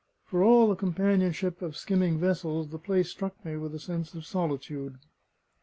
For all the companionship of skimming vessels, the place struck me with a sense of solitude.